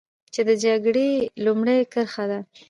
چې د جګړې لومړۍ کرښه ده.